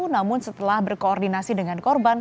namun setelah berkoordinasi dengan korban